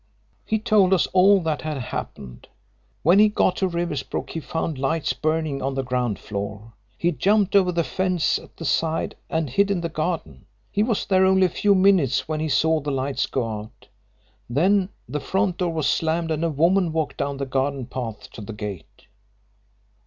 "He told us all that had happened. When he got to Riversbrook he found lights burning on the ground floor. He jumped over the fence at the side and hid in the garden. He was there only a few minutes when he saw the lights go out. Then the front door was slammed and a woman walked down the garden path to the gate."